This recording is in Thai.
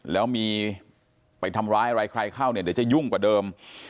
แล้วมีไปทำร้ายอะไรใครเข้าเนี่ยเดี๋ยวจะยุ่งกว่าเดิม